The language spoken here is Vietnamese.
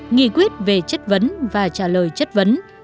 nghị quyết về chất vấn và trả lời chất vấn